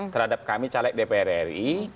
terhadap kami caleg dpr ri